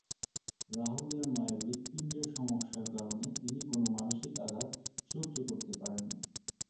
রাহুলের মায়ের হৃৎপিণ্ডের সমস্যার কারণে তিনি কোন মানসিক আঘাত সহ্য করতে পারেন না।